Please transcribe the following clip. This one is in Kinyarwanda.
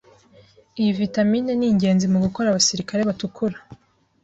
iyi Vitamine ni ingenzi mu gukora abasirikare batukura